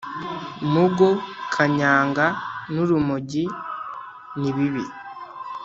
Mugo, kanyanga n’urumogi n’ibibi